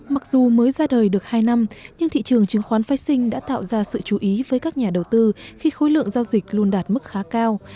mặc dù mới ra đời được hai năm nhưng thị trường chứng khoán phái sinh đã tạo ra sự chú ý với các nhà đầu tư khi khối lượng giao dịch luôn đạt mức khá cao